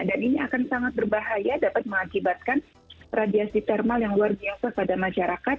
dan ini akan sangat berbahaya dapat mengakibatkan radiasi thermal yang luar biasa pada masyarakat